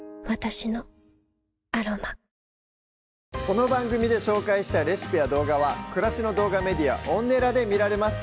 この番組で紹介したレシピや動画は暮らしの動画メディアＯｎｎｅｌａで見られます